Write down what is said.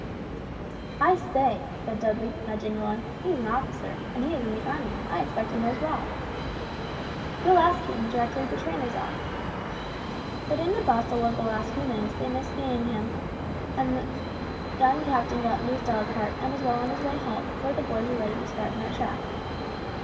"I say," said Dudley, nudging Roy; "he's an officer, and he is in the army, I expect he knows Rob." "We'll ask him, directly the train is off." But in the bustle of the last few minutes they missed seeing him; the young captain got into his dog cart, and was well on his way home before the boys were ready to start in their trap.